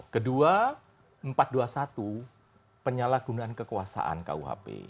kedua empat ratus dua puluh satu penyalahgunaan kekuasaan kuhp